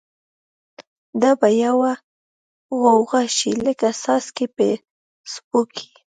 دا به بیا یوه غوغا شی، لکه څاڅکی په څپو کی